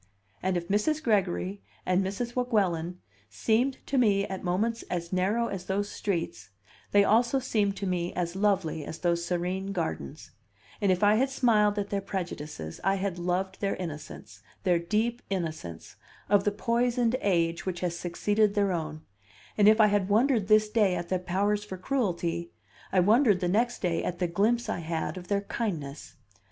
And if Mrs. Gregory and Mrs. Weguelin seemed to me at moments as narrow as those streets, they also seemed to me as lovely as those serene gardens; and if I had smiled at their prejudices, I had loved their innocence, their deep innocence, of the poisoned age which has succeeded their own; and if I had wondered this day at their powers for cruelty, I wondered the next day at the glimpse I had of their kindness.